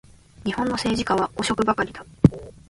日本の政治家は汚職ばかりだ